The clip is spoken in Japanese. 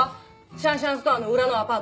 シャンシャンストアの裏のアパート。